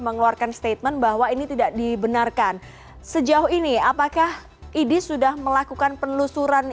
mengeluarkan statement bahwa ini tidak dibenarkan sejauh ini apakah idi sudah melakukan penelusuran